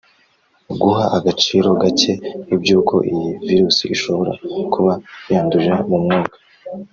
Guha agaciro gacye iby'uko iyi virus ishobora kuba yandurira mu mwuka